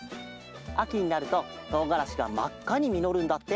あきになるとトウガラシがまっかにみのるんだって！